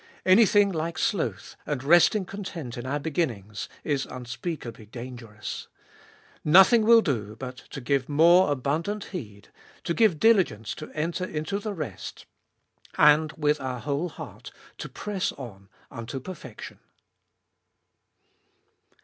Anything like sloth, and resting content in our beginnings, is unspeakably dangerous. Nothing will do but to give more abundant heed —to give diligence to enter into the rest, and with our whole heart to press on unto perfection.